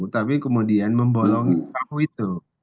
tapi kemudian membolongi pelaku itu